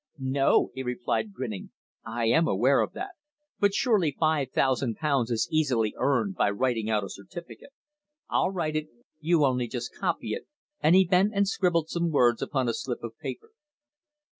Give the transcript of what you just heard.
"No," he replied, grinning. "I am aware of that. But surely five thousand pounds is easily earned by writing out a certificate. I'll write it you only just copy it," and he bent and scribbled some words upon a slip of paper.